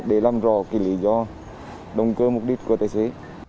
để làm rõ lý do động cơ mục đích của tài xế